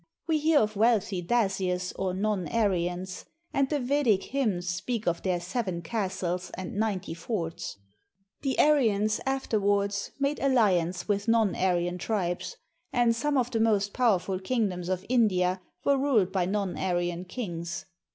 We hear of wealthy Das}'us or, non Ar}'ans; and the Vedic h}Tnns speak of their ■■ seven castles" and 6 PRIMITIVE PEOrLES OF INDIA "ninety forts." The Aryans afterwards made alliance with non Aryan tribes; and some of the most powerful kingdoms of India were ruled by non Aryan kings.